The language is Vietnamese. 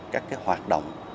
các hoạt động